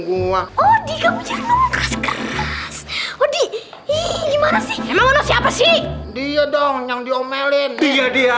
gua oh dia punya nomor keras keras odi gimana sih emang siapa sih dia dong yang diomelin dia dia